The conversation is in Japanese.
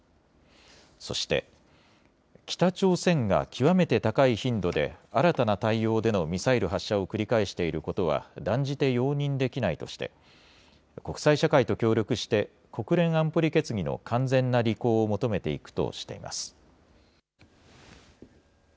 そして、北朝鮮が極めて高い頻度で、新たな態様でのミサイル発射を繰り返していることは、断じて容認できないとして、国際社会と協力して、国連安保理決議の完全な履行を求めていくとしています。